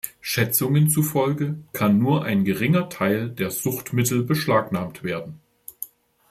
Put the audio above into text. Schätzungen zufolge kann nur ein geringer Teil der Suchtmittel beschlagnahmt werden.